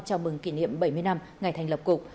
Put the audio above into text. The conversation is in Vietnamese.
chào mừng kỷ niệm bảy mươi năm ngày thành lập cục